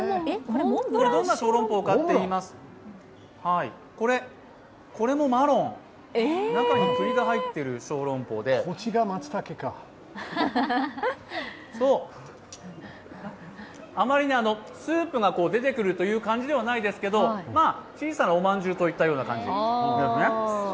どんなショーロンポーかといいますと、これもマロン、中にくりが入っているショーロンポーであまりスープが出てくるという感じではないですけど、小さなおまんじゅうという感じ。